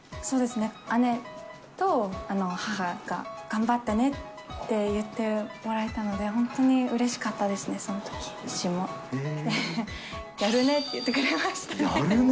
そうですね、姉と母が頑張ったねって言ってもらえたので、本当にうれしかったですね、そのとき、父もやるね！って言ってくれましたね。